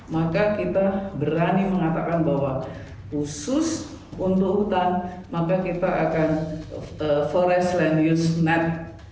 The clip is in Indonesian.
maka kita berani mengatakan bahwa khusus untuk hutan maka kita akan forest land use net